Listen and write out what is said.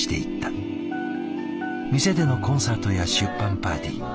店でのコンサートや出版パーティー